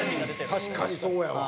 確かにそうやわ。